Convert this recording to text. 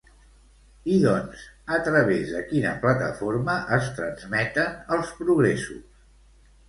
I doncs, a través de quina plataforma es transmeten els progressos?